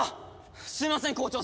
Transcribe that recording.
すいません校長先生。